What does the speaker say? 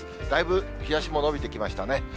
だいぶ日ざしも延びてきましたね。